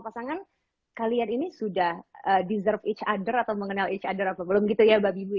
pasangan kalian ini sudah deserve each other atau mengenal each other apa belum gitu ya mbak bibi ya